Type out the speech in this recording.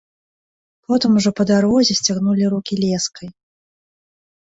Потым ужо, па дарозе, сцягнулі рукі лёскай.